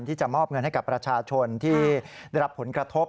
ที่จะมอบเงินให้กับประชาชนที่ได้รับผลกระทบ